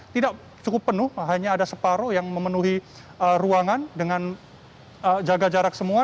tidak cukup penuh hanya ada separoh yang memenuhi ruangan dengan jaga jarak semua